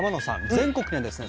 全国にはですね